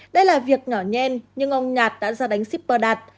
đây là việc nhỏ nhen nhưng ông nhạt đã ra đánh shipper đạt